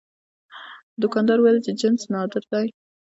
دوکاندار وویل چې جنس نادر دی.